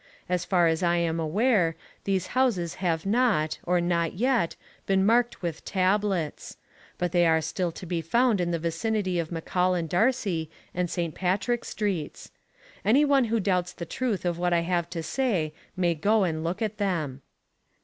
As far as I am aware these houses have not, or not yet, been marked with tablets. But they are still to be found in the vicinity of McCaul and Darcy, and St. Patrick Streets. Any one who doubts the truth of what I have to say may go and look at them.